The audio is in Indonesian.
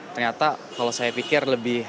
ternyata kalau saya pikir lebih